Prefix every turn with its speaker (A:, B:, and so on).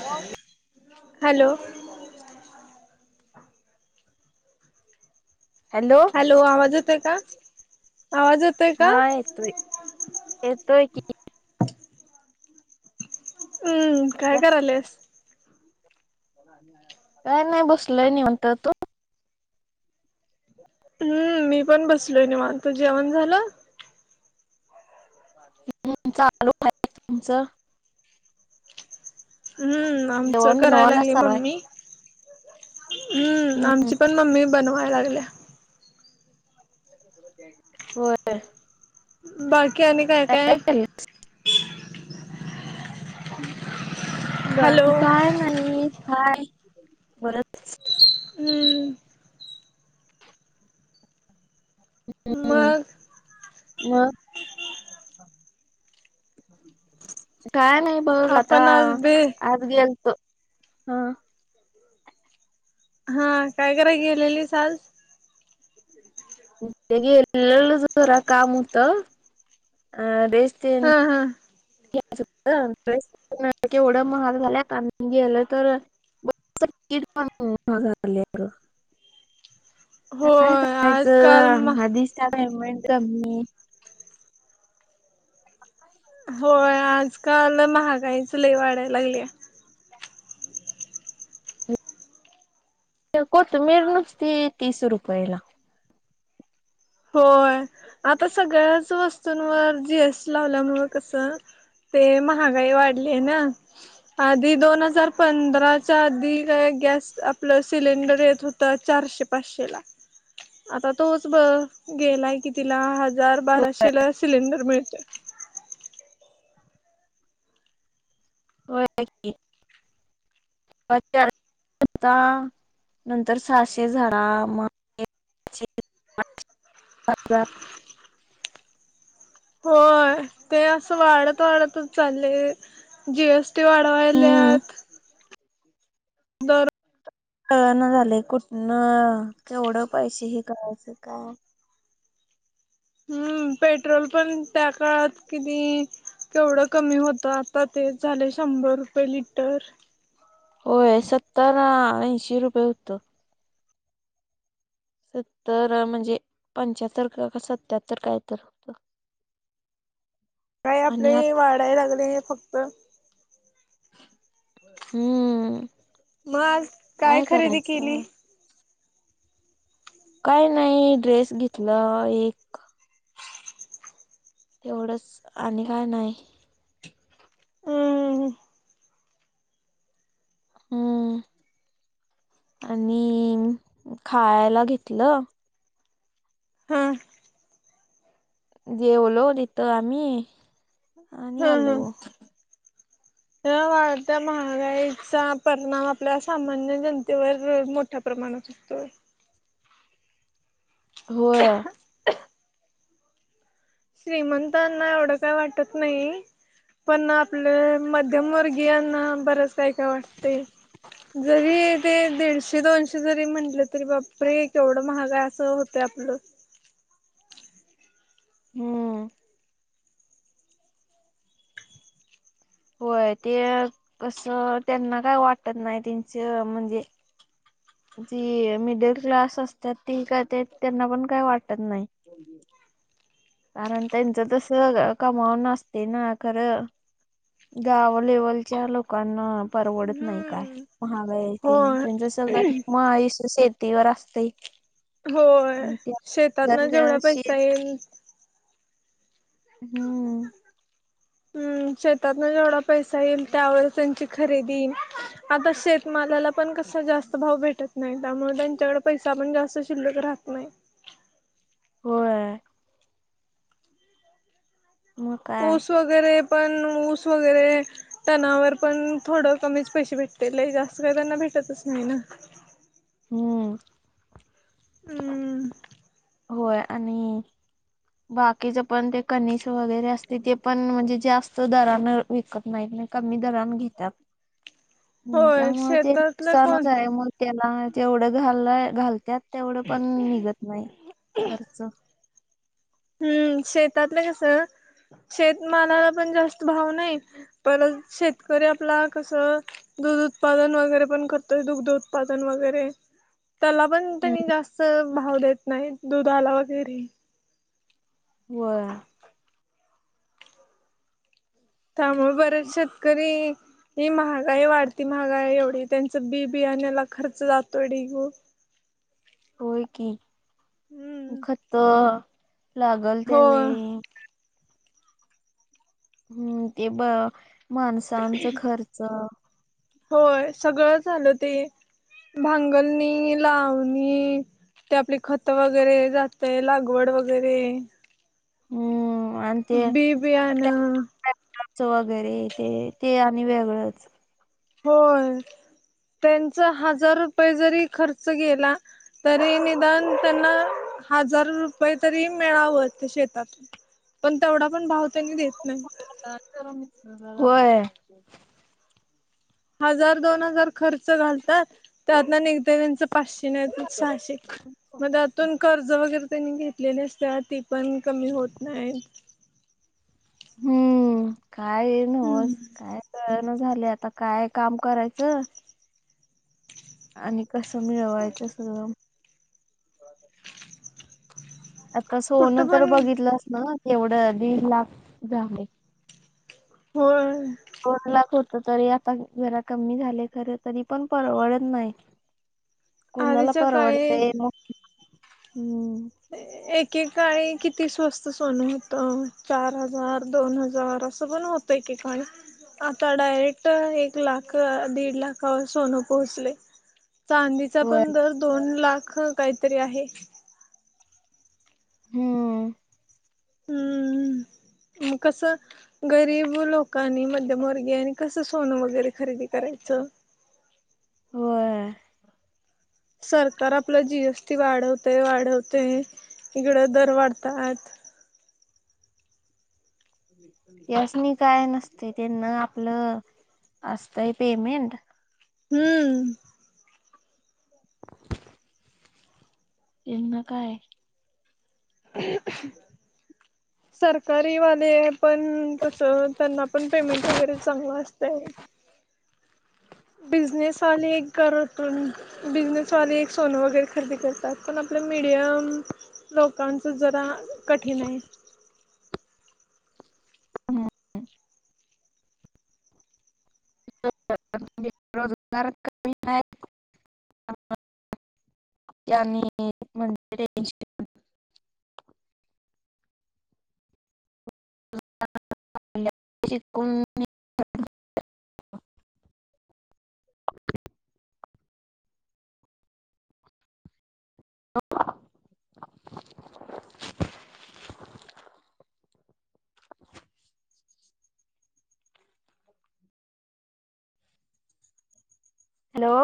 A: Low
B: hello
A: hello
B: आवाज येतोय का आवाज येतोय का
A: हा येतोय. येतोय की
B: उम्म काय करायलेस?
A: काय नाही बसलोय निवांत तो.
B: उम्म मी पण बसलोय निवांत जेवण झालं?
A: [unintelligible]
B: हम्म आमचं
A: जेवण
B: कराय
A: बनवायला
B: लागले
A: चालू आहे
B: मम्मी हम्म आमची पण मम्मी बनवाय लागलया.
A: होय.
B: बाकी आणि काय-काय?
A: ह
B: हॅलो
A: बाकी काय नाही काय हाय परत
B: हम्म.
A: हम्म
B: मग
A: मग काय नाही बघ आता
B: आपण आज बे
A: आ गेलेतो हा.
B: हा काय कराय गेलेलीस आज?
A: ते गेलेलो जरा काम होतं आं ड्रेस तेन
B: हा हा
A: घ्याच होतं ड्रेस पण आता केवड महाग झाल्यात आणि गेलो तर [unintelligible] काय
B: होय आजकाल म
A: करायचं आदिच त्या पेमेंट कमी आहे.
B: होय आजकाल महागाईच लई वाढाय लागल्या.
A: कोतमीर नुसती तीस रुपयेला.
B: होय आता सगळ्याच वस्तूंवर जी एस टी लावल्यामूळं कसं ते महागाई वाढलीये ना आधी दोन हजार पंधराच्या आधी काय गॅस आपलं सिलेंडर येत हो ता चारशे-पाचशे ला आता तोच ब गेलाय कितीला हजार बाराशे ला सिलेंडर मिळतोय.
A: होय की. [unintelligible] होता नंतर सहाशे झाला मग. [unintelligible]
B: होय ते असं वाढत वाढतच चालले. जी एस टी
A: हम्म
B: वाढवायल्यात दर
A: कळेना झाले कुठनं केवढं पैशे हे करायचं काय
B: हम्म पेट्रोल पण त्या काळात किती केवढं कमी होतं आता ते झाले शंभर रुपये लिटर.
A: होय सत्तर ऐंशी रुपये होतं. सत्तर म्हणजे पंच्याहत्तर का कसं सत्याहत्तर काय तर. होत
B: काय आपले
A: आणि आ
B: हे वाढाय लागले फक्त.
A: हम्म
B: मग आज
A: काय
B: खरेदी केली?
A: करायचं. काय नाही ड्रेस घेतला एक एवढंच आणि काय नाय.
B: हम्म हम्म.
A: हम्म आणि खायला घेतलं
B: हां
A: जेवलो तिथं आम्ही आणि आलो.
B: तर वाढत्या महागाईचा परिणाम आपल्या सामान्य जनतेवर मोठ्या प्रमाणात हुतोय
A: होय
B: श्रीमंतांना एवढं काय वाटत नाही पण आपल्या मध्यमवर्गीयांना बरंच काय काय वाटतय जरी ते दीडशे दोनशे जरी म्हटलं तरी बाप रे केवढं महाग असं होत ते आपलं
A: हम्म होय ते कसं त्यांना काय वाटत नाही त्यांच म्हणजे जी मिडल क्लास असतात ती का ते त्यांना पण काही वाटत नाही कारण त्यांचं तस कमावनं असतय ना खरं गाव लेवलच्या लोकांना परवडत नाही काय.
B: हम्म.
A: महागाई तेन
B: होय
A: त्यांचं सगळं नीम्म आयुष्य शेतीवर असतय
B: होय शेतातनं जेवढा
A: शेत
B: पैसा येईल
A: हम्म
B: हम्म शेतातन जेवढा पैसा येईल त्यावरचं त्यांची खरेदी आता शेतमालाला पण कसा जास्त भाव भेटत नाही त्यामुळे त्यांच्याकडे पैसा पण जास्त शिल्लक राहत नाही.
A: होय. मग काय
B: ऊस वगैरे पण ऊस वगैरे टणावर पण थोडं कमीच पैसे भेटते लय जास्त काही त्यांना भेटतच नाही ना.
A: हम्म.
B: हम्.
A: होय आणि बाकीच पण ते कनिस वगैरे असते ते पण म्हणजे जास्त दरानं विकत नाहीत नाही. कमी दरान घेत्यात.
B: [unintelligible]
A: हम् त्यामुळे ते
B: शेतातलं कोण
A: नुकसानच हाय म्हणून त्याला जेवढं घाल घालत्यात तेवढं पण निघत नाही खर्च.
B: हम्म शेतातलं कसं शेतमालाला पण जास्त भाव नाही. परत शेतकरी आपला कस. दूध उत्पादन वगैरे पण करतोय दुग्ध उत्पादन वगैरे, त्याला पण
A: हम्म
B: त्यांनी जास्त भाव देत नाहीत दुधाला वगैरे.
A: व्हय.
B: त्यामुळे बरेच शेतकरी ही महागाई वाढती महागाई एवढी त्यांचं बी बियान्याला खर्च जातोय ढीग
A: होय की
B: हम्म
A: खतं लागल
B: होय
A: त्यावेेळी, हम्म ते ब माणसांचं खर्च.
B: होय सगळं झालं ते भांगलणी, लावणी ते आपली खत वगैरे जातय लागवड वगैरे,
A: हम्म
B: बी बियानं
A: च वगैरे ते ते आणि वेगळंच.
B: होय त्यांचा हजार रुपये जरी खर्च गेला तरी निदान त्यांना हजार रुपये तरी मिळावं ते शेतातून पण तेवढा पण भाव त्यांनी देत नाहीत.
A: होय.
B: हजार दोन हजार खर्च घालतात त्यातनं निघतंय त्यांचं पाचशे नाहीतर सहाशे मग त्यातुन कर्ज वगैरे त्यानीं घेतलेले असतात ती पण कमी होत नाहीत.
A: हम्म काय नव्हच काय कळना झाले आता काय काम करायचं आणि कसं मिळवायचं सगळं. आता
B: कुठं
A: सोनं तर
B: पण
A: बघितलंस ना एवढं दीड लाख लाग झालय.
B: होय.
A: दोन लाख होत तरी आता जरा कमी झाले खर तरी पण परवडत नाही.
B: [unintelligible]
A: कुणाला
B: काळी
A: परवडतंय मग हम्म.
B: एकेकाळी किती स्वस्त सोन होत चार हजार दोन हजार. स पण होतय एक के काळी. आता डायरेक्ट एक लाख दीड लाखावर सोनं पोहोचलय. चांदीचा
A: होय
B: पण दर दोन लाख काहीतरी आहे.
A: हम्म.
B: हम्म मग कसं गरीब लोकांनी मध्यमवर्गीनी कसं सोनं वगैरे खरेदी करायचं.
A: होय.
B: सरकार आपलं जी एस टी वाढवतेय वाढवते इकड दर वाढतात.
A: त्यासनी काय नसते त्यांना आपलं असतय पेमेंट
B: हम्म
A: त्यांना काय
B: [unintelligible] सरकारी वाले आहे पण कसं त्यांना पण पेमेंट वगैरे चांगलं असतंय. बिझनेस आणि करत बिझनेसवाले एक सोनं वगैरे खरेदी करतात पण आपलं मिडियम लोकांचं जरा कठीण आहे.
A: हम् बेरोजगार कमी नाही [unintelligible] [unintelligible] श [unintelligible] [unintelligible] हॅलो